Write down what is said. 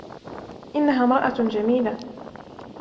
إنها امراة جميلة.